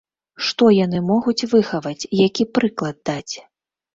Што яны могуць выхаваць, які прыклад даць?